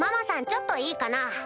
ちょっといいかな？